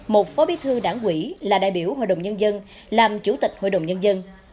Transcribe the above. một phó bí thư đảng quỹ là đại biểu hội đồng nhân dân làm chủ tịch hội đồng nhân dân